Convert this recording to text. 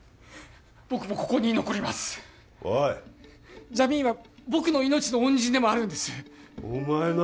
僕もここに残りますおいジャミーンは僕の命の恩人でもあるんですお前な